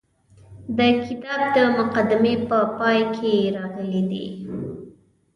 د کتاب د مقدمې په پای کې راغلي دي.